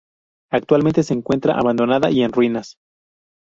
Actualmente se encuentra abandonada y en ruinas.